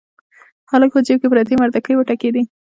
هلک په جيب کې پرتې مردکۍ وټکېدې.